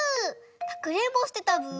かくれんぼしてたブー？